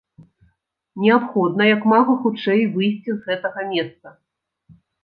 Неабходна як мага хутчэй выйсці з гэтага месца.